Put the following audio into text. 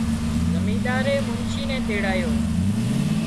زمينۮارئي منچي نين تيڙايو